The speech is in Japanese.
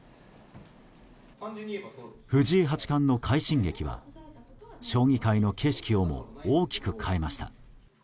藤井八冠の快進撃は将棋界の景色をも大きく変えました。